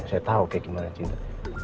saya tahu kayak gimana cinta